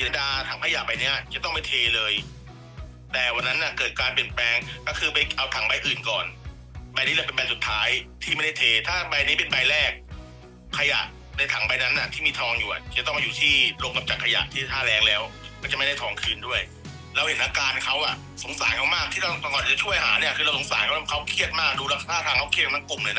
มีความรู้สึกว่ามีความรู้สึกว่ามีความรู้สึกว่ามีความรู้สึกว่ามีความรู้สึกว่ามีความรู้สึกว่ามีความรู้สึกว่ามีความรู้สึกว่ามีความรู้สึกว่ามีความรู้สึกว่ามีความรู้สึกว่ามีความรู้สึกว่ามีความรู้สึกว่ามีความรู้สึกว่ามีความรู้สึกว่ามีความรู้สึกว